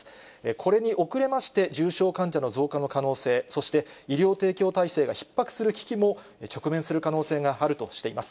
これに遅れまして、重症患者の増加の可能性、そして医療提供体制がひっ迫する危機も直面する可能性があるとしています。